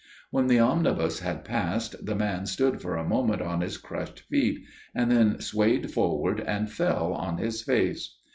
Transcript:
When the omnibus had passed the man stood for a moment on his crushed feet, and then swayed forward and fell on his face.